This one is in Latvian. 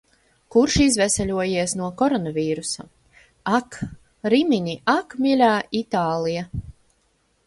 Kurš izveseļojies no koronavīrusa. Ak, Rimini, ak, mīļā Itālija!